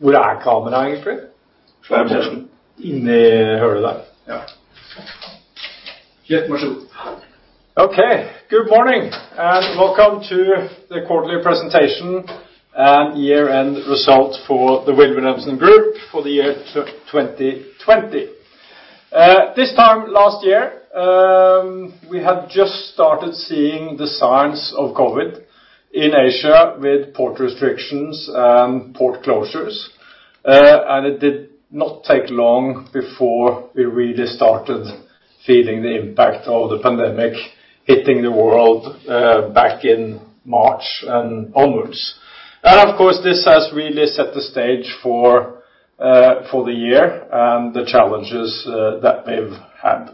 Where is camera, actually? There. In the hole there? Yes. Okay. Good morning. Welcome to the quarterly presentation and year-end results for the Wilh. Wilhelmsen Group for the year 2020. This time last year, we had just started seeing the signs of COVID in Asia with port restrictions and port closures. It did not take long before we really started feeling the impact of the pandemic hitting the world back in March and onwards. Of course, this has really set the stage for the year and the challenges that we've had.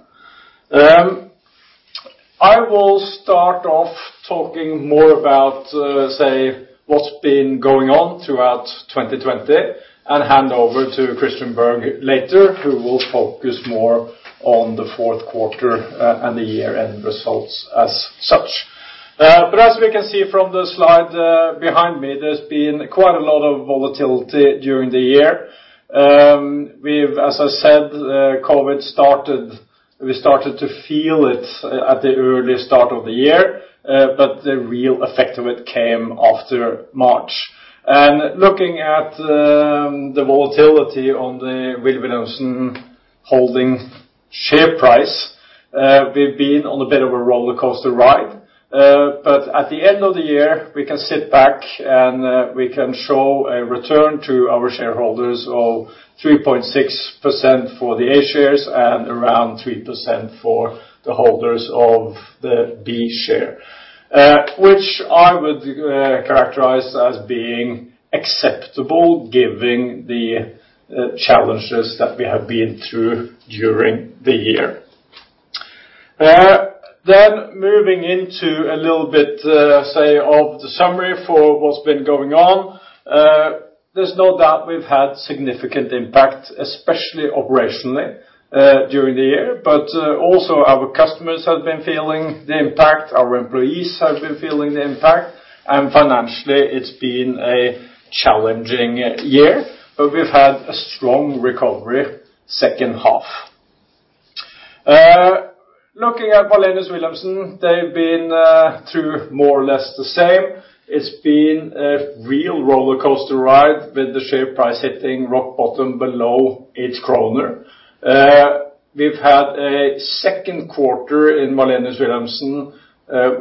I will start off talking more about, say, what's been going on throughout 2020 and hand over to Christian Berg later, who will focus more on the fourth quarter and the year-end results as such. As we can see from the slide behind me, there's been quite a lot of volatility during the year. As I said, COVID, we started to feel it at the early start of the year, but the real effect of it came after March. Looking at the volatility on the Wilh. Wilhelmsen Holding share price, we've been on a bit of a rollercoaster ride. At the end of the year, we can sit back and we can show a return to our shareholders of 3.6% for the A shares and around 3% for the holders of the B share, which I would characterize as being acceptable given the challenges that we have been through during the year. Moving into a little bit, say, of the summary for what's been going on. There's no doubt we've had significant impact, especially operationally, during the year. Also our customers have been feeling the impact, our employees have been feeling the impact, and financially it's been a challenging year, but we've had a strong recovery second half. Looking at Wallenius Wilhelmsen, they've been through more or less the same. It's been a real rollercoaster ride, with the share price hitting rock bottom below 8 kroner. We've had a second quarter in Wallenius Wilhelmsen,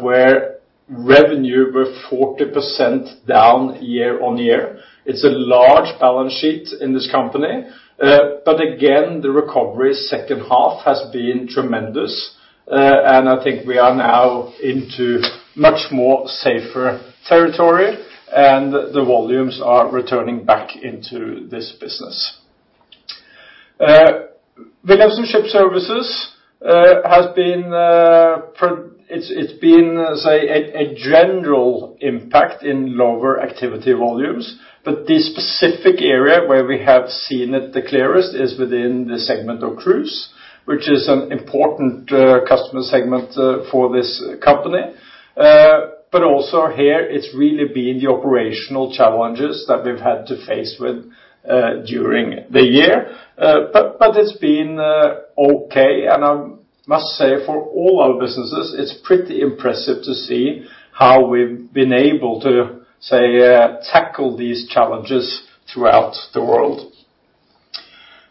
where revenue were 40% down year-over-year. It's a large balance sheet in this company. Again, the recovery second half has been tremendous, and I think we are now into much more safer territory and the volumes are returning back into this business. Wilhelmsen Ships Service has been, say, a general impact in lower activity volumes. The specific area where we have seen it the clearest is within the segment of cruise, which is an important customer segment for this company. Also here it's really been the operational challenges that we've had to face with during the year. It's been okay and I must say for all our businesses it's pretty impressive to see how we've been able to, say, tackle these challenges throughout the world.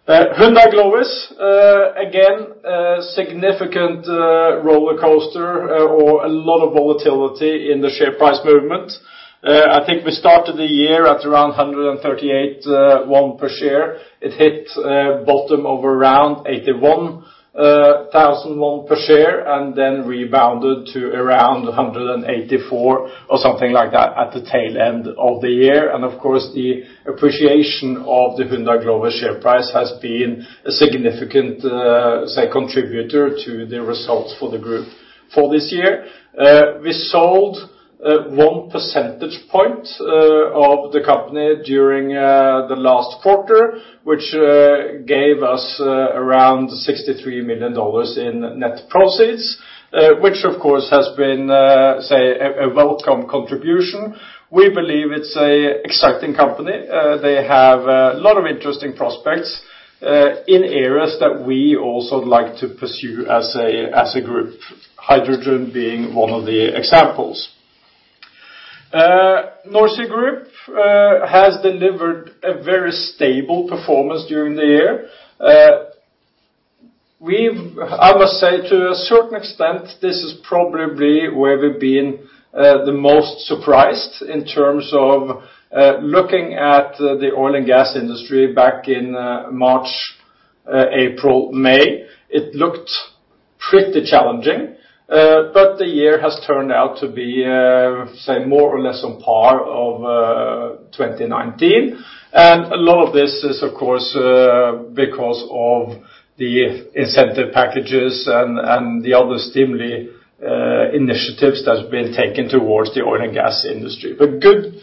Hyundai Glovis, again, a significant rollercoaster or a lot of volatility in the share price movement. I think we started the year at around 138,000 won per share. It hit a bottom of around 81,000 won per share and then rebounded to around 184,000 or something like that at the tail end of the year. Of course, the appreciation of the Hyundai Glovis share price has been a significant contributor to the results for the Group for this year. We sold 1 percentage point of the company during the last quarter, which gave us around $63 million in net proceeds, which of course has been a welcome contribution. We believe it's an exciting company. They have a lot of interesting prospects in areas that we also like to pursue as a Group, hydrogen being one of the examples. NorSea Group has delivered a very stable performance during the year. I must say to a certain extent this is probably where we've been the most surprised in terms of looking at the oil and gas industry back in March, April, May. It looked pretty challenging. The year has turned out to be more or less on par of 2019. A lot of this is of course because of the incentive packages and the other stimuli initiatives that's been taken towards the oil and gas industry. Good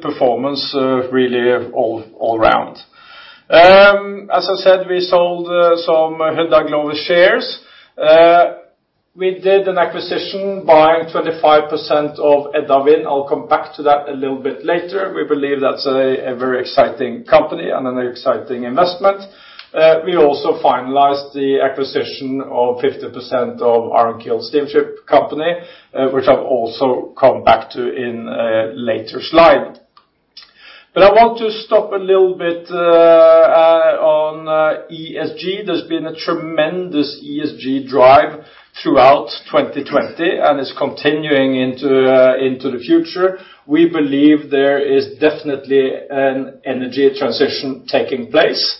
performance really all round. As I said, we sold some Höegh Autoliners shares. We did an acquisition buying 25% of Edda Wind. I will come back to that a little bit later. We believe that is a very exciting company and an exciting investment. We also finalized the acquisition of 50% of Ahrenkiel Steamship Company, which I will also come back to in a later slide. I want to stop a little bit on ESG. There has been a tremendous ESG drive throughout 2020 and it is continuing into the future. We believe there is definitely an energy transition taking place.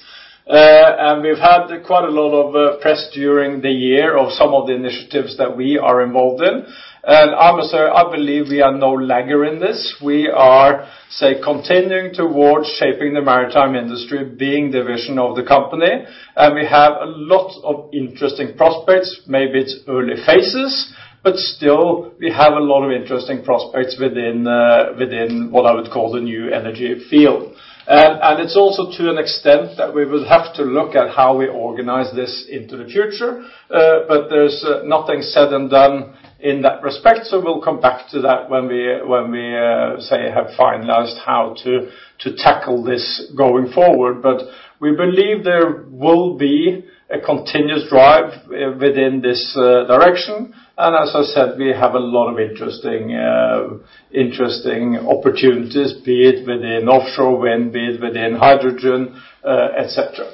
We have had quite a lot of press during the year of some of the initiatives that we are involved in. I must say, I believe we are no lagger in this. We are, say, continuing towards shaping the maritime industry, being the vision of the company, and we have a lot of interesting prospects. Maybe it is early phases, but still, we have a lot of interesting prospects within what I would call the New Energy field. It is also to an extent that we will have to look at how we organize this into the future. There is nothing said and done in that respect, so we will come back to that when we, say, have finalized how to tackle this going forward. We believe there will be a continuous drive within this direction. As I said, we have a lot of interesting opportunities, be it within offshore wind, be it within hydrogen, et cetera.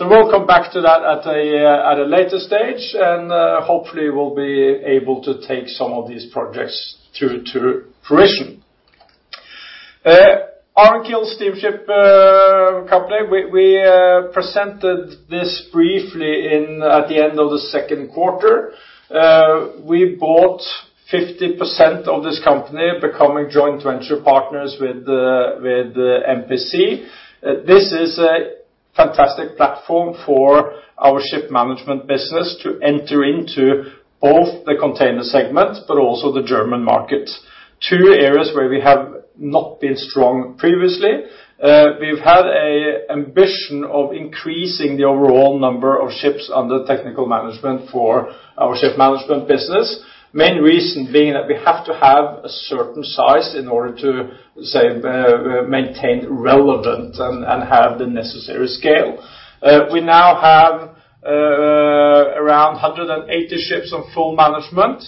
We will come back to that at a later stage, and hopefully we will be able to take some of these projects to fruition. Ahrenkiel Steamship Company, we presented this briefly at the end of the second quarter. We bought 50% of this company, becoming joint venture partners with MPC. This is a fantastic platform for our ship management business to enter into both the container segment, but also the German market. Two areas where we have not been strong previously. We have had an ambition of increasing the overall number of ships under technical management for our ship management business. Main reason being that we have to have a certain size in order to, say, maintain relevant and have the necessary scale. We now have around 180 ships on full management.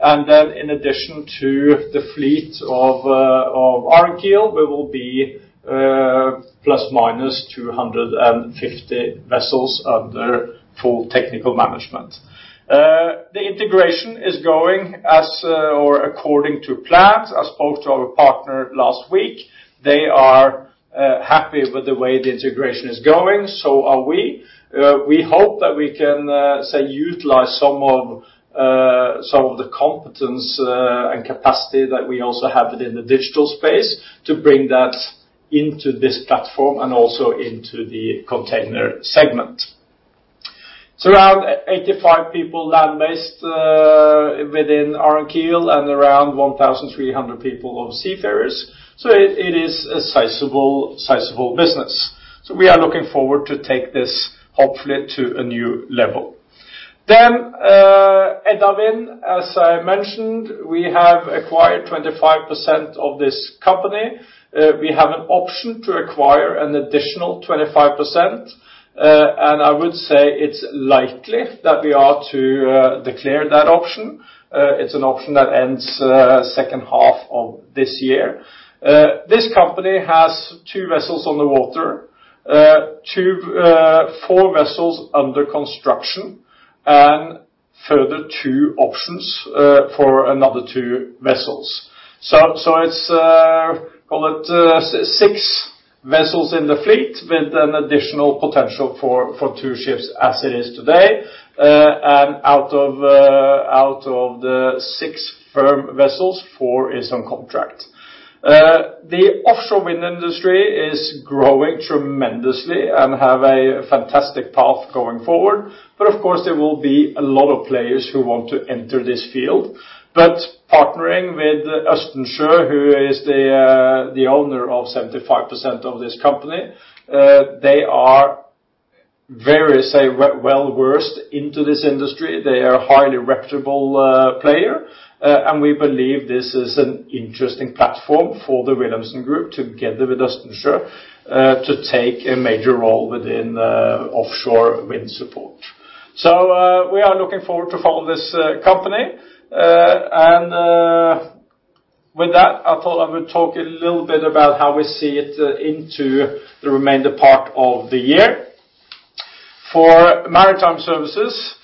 In addition to the fleet of Ahrenkiel, we will be ±250 vessels under full technical management. The integration is going according to plan. I spoke to our partner last week. They are happy with the way the integration is going, so are we. We hope that we can utilize some of the competence and capacity that we also have within the digital space to bring that into this platform and also into the container segment. Around 85 people land-based within Ahrenkiel and around 1,300 people of seafarers. It is a sizable business. We are looking forward to take this, hopefully, to a new level. Edda Wind, as I mentioned, we have acquired 25% of this company. We have an option to acquire an additional 25%, and I would say it is likely that we are to declare that option. It is an option that ends second half of this year. This company has two vessels on the water, four vessels under construction, and further two options for another two vessels. It is six vessels in the fleet with an additional potential for two ships as it is today. Out of the six firm vessels, four is on contract. The offshore wind industry is growing tremendously and have a fantastic path going forward. Of course, there will be a lot of players who want to enter this field. Partnering with Østensjø, who is the owner of 75% of this company, they are very well-versed into this industry. They are a highly reputable player. We believe this is an interesting platform for the Wilhelmsen Group, together with Østensjø, to take a major role within offshore wind support. We are looking forward to follow this company. With that, I thought I would talk a little bit about how we see it into the remainder part of the year. For Maritime Services,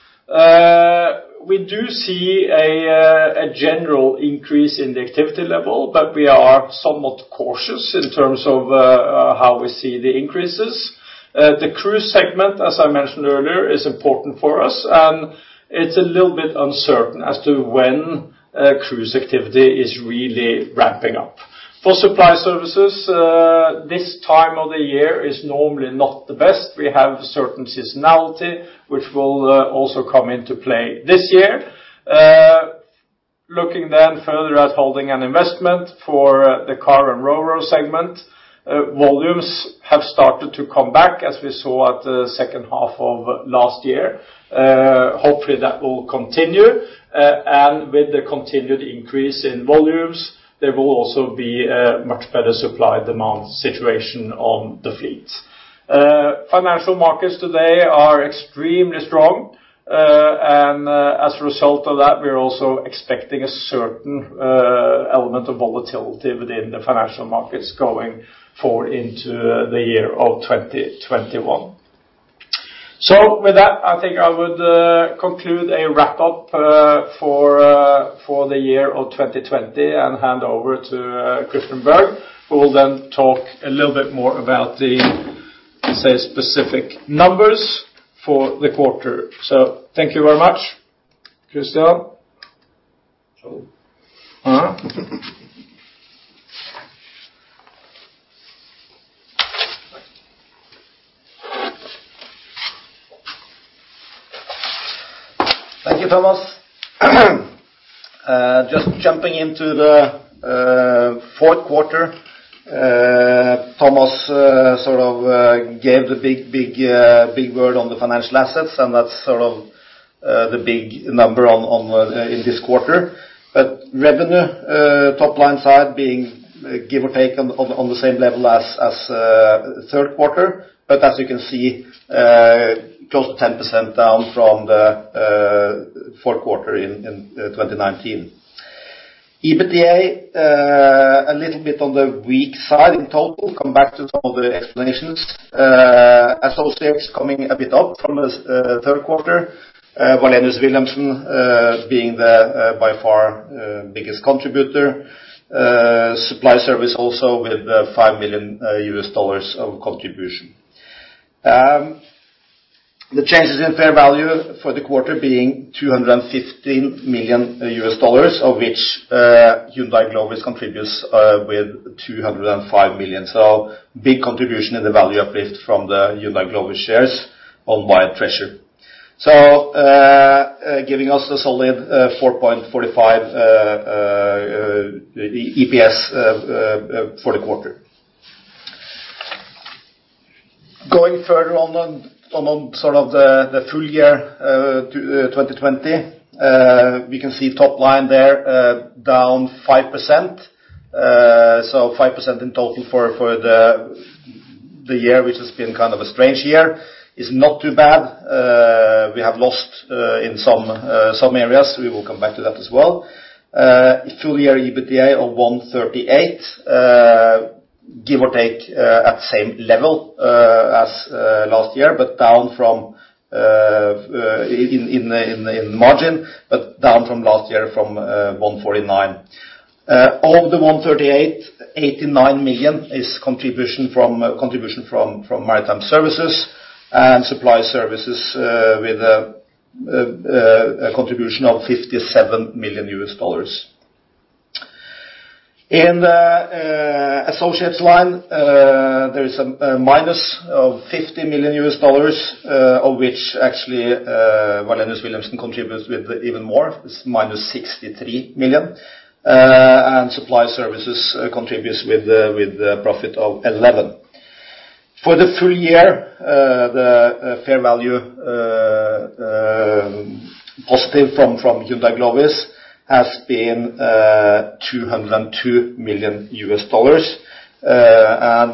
we do see a general increase in the activity level, but we are somewhat cautious in terms of how we see the increases. The cruise segment, as I mentioned earlier, is important for us, and it is a little bit uncertain as to when cruise activity is really ramping up. For Supply Services, this time of the year is normally not the best. We have certain seasonality which will also come into play this year. Volumes have started to come back, as we saw at the second half of last year. Hopefully, that will continue. With the continued increase in volumes, there will also be a much better supply/demand situation on the fleet. Financial markets today are extremely strong. As a result of that, we are also expecting a certain element of volatility within the financial markets going forward into the year of 2021. With that, I think I would conclude a wrap-up for the year of 2020 and hand over to Christian Berg, who will then talk a little bit more about the, say, specific numbers for the quarter. Thank you very much. Christian? Hello. Thank you, Thomas. Just jumping into the fourth quarter. Thomas sort of gave the big word on the financial assets, that's sort of the big number in this quarter. Revenue top line side being, give or take, on the same level as third quarter. As you can see, close to 10% down from the fourth quarter in 2019. EBITDA, a little bit on the weak side in total. Come back to some of the explanations. Associates coming a bit up from the third quarter. Wallenius Wilhelmsen being the, by far, biggest contributor. Supply Services also with $5 million of contribution. The changes in fair value for the quarter being $215 million, of which Hyundai Glovis contributes with $205 million. Big contribution in the value uplift from the Hyundai Glovis shares owned by Treasure. Giving us a solid 4.45 EPS for the quarter. Going further on the full year 2020, we can see top line there down 5%. 5% in total for the year, which has been kind of a strange year. It's not too bad. We have lost in some areas. We will come back to that as well. Full year EBITDA of $138 million, give or take, at the same level as last year, in margin, but down from last year from $149 million. Of the $138 million, $89 million is contribution from Maritime Services and Supply Services with a contribution of $57 million. In the associates line, there is a minus of $50 million, of which actually Wallenius Wilhelmsen contributes with even more. It's -$63 million. Supply Services contributes with the profit of $11 million. For the full year, the fair value positive from Hyundai Glovis has been $202 million,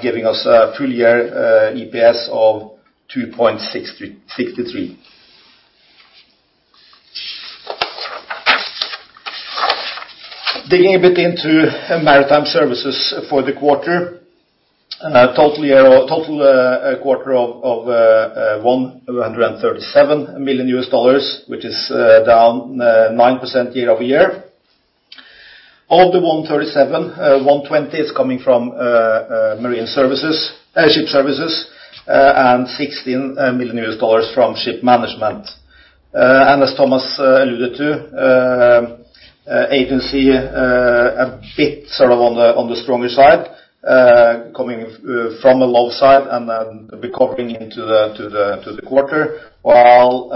giving us a full year EPS of $2.63. Digging a bit into Maritime Services for the quarter. Total quarter of $137 million, which is down 9% year-over-year. Of the $137 million, $120 million is coming from Ships Service, and $16 million from Ship Management. As Thomas alluded to, agency a bit sort of on the stronger side, coming from a low side and then recovering into the quarter, while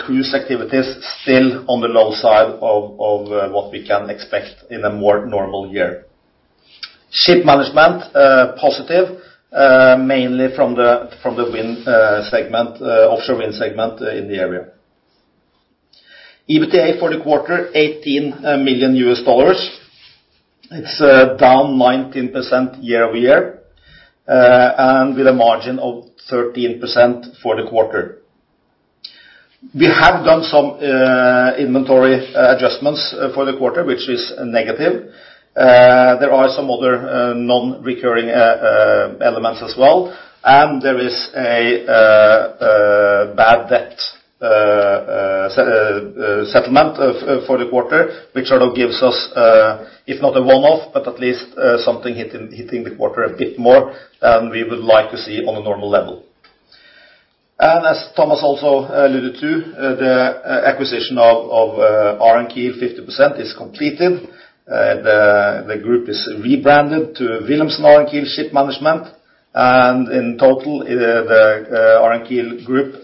cruise activity is still on the low side of what we can expect in a more normal year. Ship Management, positive, mainly from the offshore wind segment in the area. EBITDA for the quarter, $18 million. It's down 19% year-over-year, and with a margin of 13% for the quarter. We have done some inventory adjustments for the quarter, which is negative. There are some other non-recurring elements as well, and there is a bad debt settlement for the quarter, which sort of gives us, if not a one-off, but at least something hitting the quarter a bit more than we would like to see on a normal level. As Thomas also alluded to, the acquisition of Ahrenkiel 50% is completed. The group is rebranded to Wilhelmsen Ahrenkiel Ship Management. In total, the Ahrenkiel Group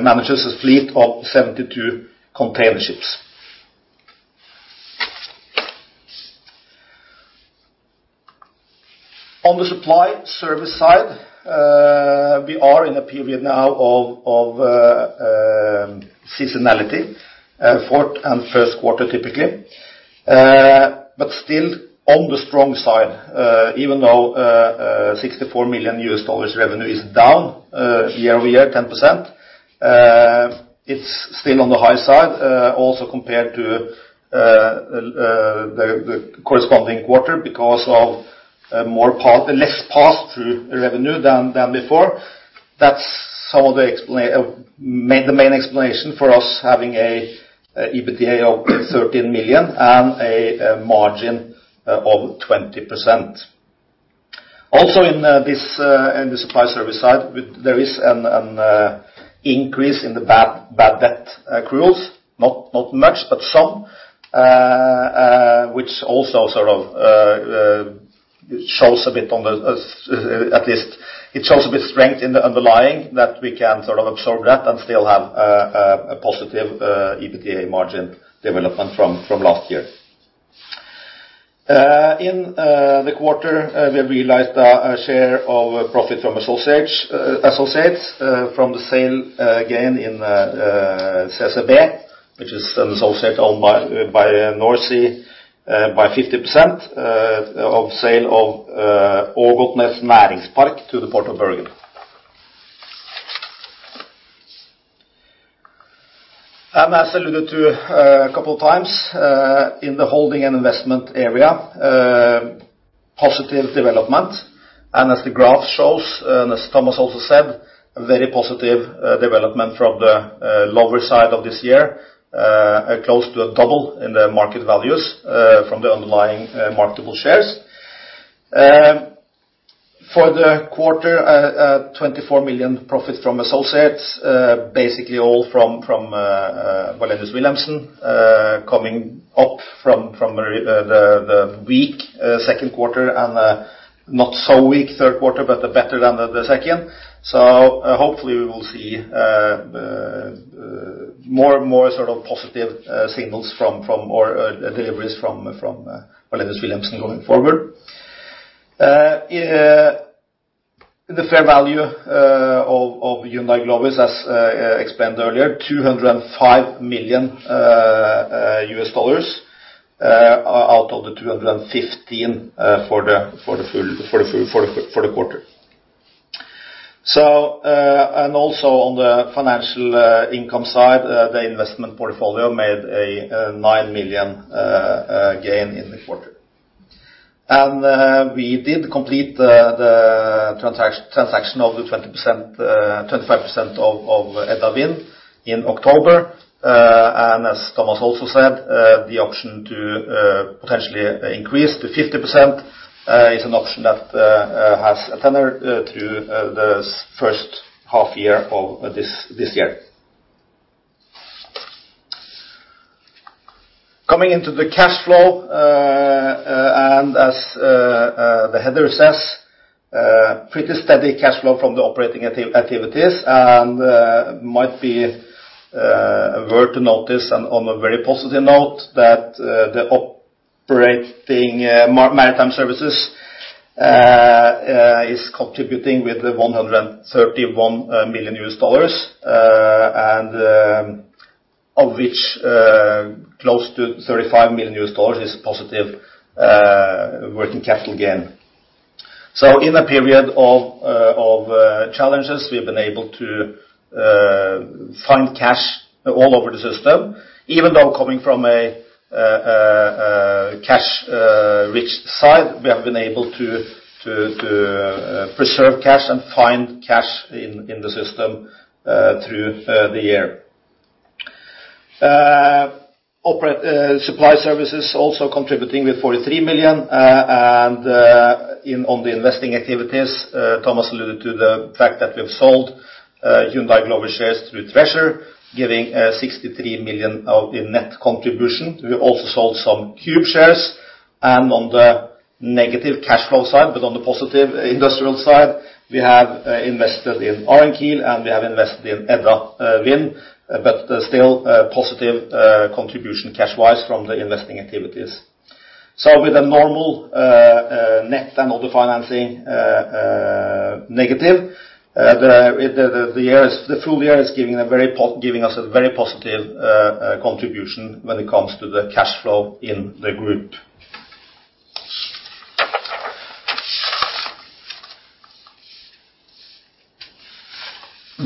manages a fleet of 72 container ships. On the Supply Services side, we are in a period now of seasonality, fourth and first quarter, typically. Still on the strong side, even though $64 million revenue is down year-over-year 10%, it's still on the high side. Also, compared to the corresponding quarter because of the less pass-through revenue than before. That's some of the main explanation for us having an EBITDA of $13 million and a margin of 20%. Also in the Supply Services side, there is an increase in the bad debt accruals. Not much, but some, which also shows a bit strength in the underlying that we can sort of absorb that and still have a positive EBITDA margin development from last year. In the quarter, we realized a share of profit from associates from the same gain in CCB, which is an associate owned by NorSea by 50% of sale of Ågotnes Næringspark to the Port of Bergen. As alluded to a couple of times, in the holding and investment area, positive development. As the graph shows, as Thomas also said, very positive development from the lower side of this year, close to double in the market values from the underlying marketable shares. For the quarter, $24 million profit from associates. Basically all from Wallenius Wilhelmsen coming up from the weak second quarter and not so weak third quarter, but better than the second. Hopefully we will see more sort of positive signals from more deliveries from Wallenius Wilhelmsen going forward. In the fair value of Hyundai Glovis, as explained earlier, $205 million out of the $215 for the quarter. Also on the financial income side, the investment portfolio made a $9 million gain in the quarter. We did complete the transaction of the 25% of Edda Wind in October. As Thomas also said, the option to potentially increase to 50% is an option that has a tender through the first half year of this year. Coming into the cash flow, as the header says, pretty steady cash flow from the operating activities and might be worth to notice and on a very positive note that the operating Maritime Services is contributing with $131 million, of which close to $35 million is positive working capital gain. In a period of challenges, we've been able to find cash all over the system. Even though coming from a cash-rich side, we have been able to preserve cash and find cash in the system through the year. Supply Services also contributing with $43 million. On the investing activities, Thomas alluded to the fact that we have sold Hyundai Glovis shares through Treasure, giving a $63 million of net contribution. We also sold some Qube shares. On the negative cash flow side, but on the positive industrial side, we have invested in Ahrenkiel and we have invested in Edda Wind, but still a positive contribution cash-wise from the investing activities. With a normal net and all the financing negative, the full year is giving us a very positive contribution when it comes to the cash flow in the group.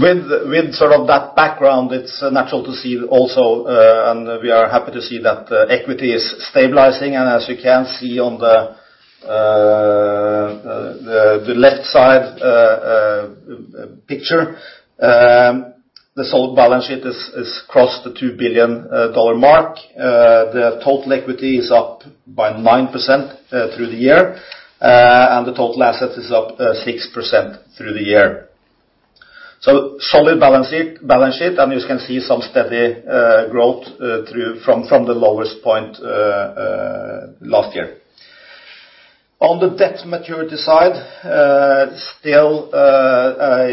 With sort of that background, it's natural to see also, and we are happy to see that the equity is stabilizing. As you can see on the left side picture, the solid balance sheet has crossed the $2 billion mark. The total equity is up by 9% through the year, and the total assets is up 6% through the year. Solid balance sheet, and you can see some steady growth from the lowest point last year. On the debt maturity side, still a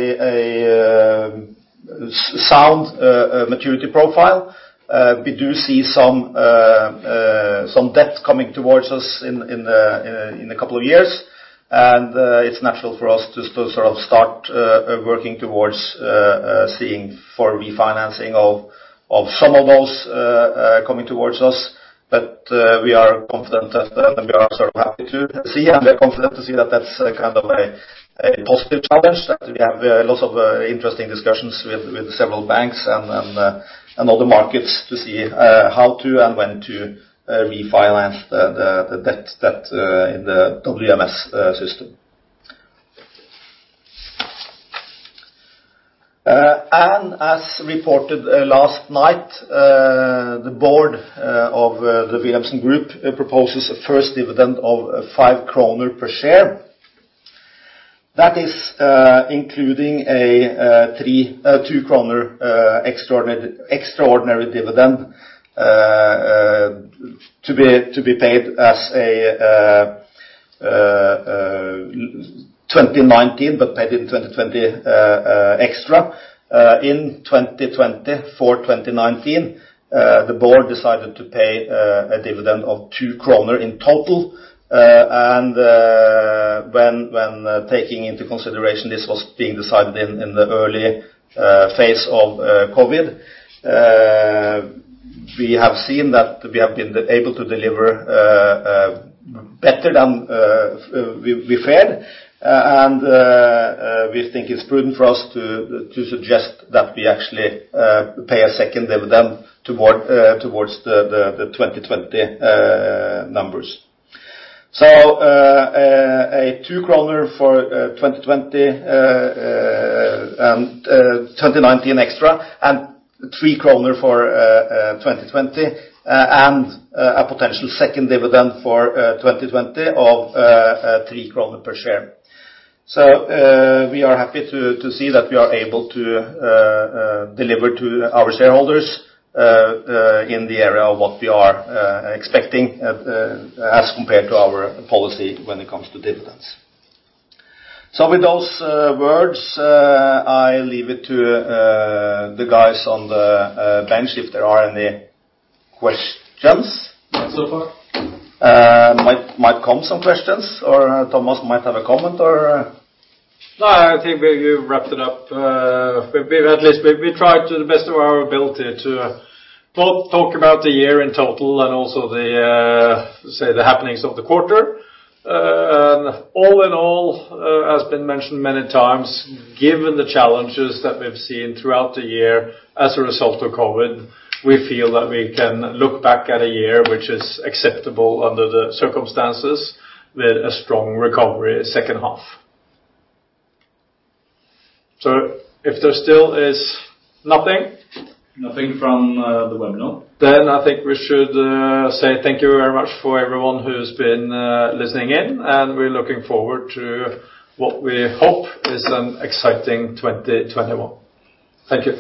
sound maturity profile. We do see some debt coming towards us in a couple of years, and it's natural for us to start working towards seeing for refinancing of some of those coming towards us. We are confident and we are happy to see, and we are confident to see that that's a positive challenge, that we have lots of interesting discussions with several banks and other markets to see how to and when to refinance the debt in the WMS system. As reported last night, the board of the Wilhelmsen group proposes a first dividend of 5 kroner per share. That is including a NOK 2 extraordinary dividend to be paid as 2019, but paid in 2020 extra. In 2020, for 2019, the board decided to pay a dividend of 2 kroner in total, and when taking into consideration this was being decided in the early phase of COVID. We have seen that we have been able to deliver better than we feared. We think it's prudent for us to suggest that we actually pay a second dividend towards the 2020 numbers. A NOK 2 for 2020 and 2019 extra, and 3 kroner for 2020, and a potential second dividend for 2020 of 3 kroner per share. We are happy to see that we are able to deliver to our shareholders in the area of what we are expecting as compared to our policy when it comes to dividends. With those words, I leave it to the guys on the bench if there are any questions. Not so far. Might come some questions, or Thomas might have a comment. I think we've wrapped it up. We've tried to the best of our ability to talk about the year in total and also the happenings of the quarter. All in all, has been mentioned many times, given the challenges that we've seen throughout the year as a result of COVID, we feel that we can look back at a year which is acceptable under the circumstances, with a strong recovery second half. If there still is nothing else. Nothing from the webinar. I think we should say thank you very much for everyone who's been listening in, and we're looking forward to what we hope is an exciting 2021. Thank you.